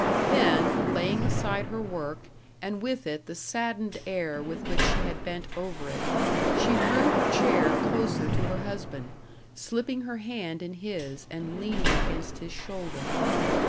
Then, laying aside her work, and with it the saddened air with which she had bent over it, she drew her chair closer to her husband, slipping her hand in his, and leaning against his shoulder.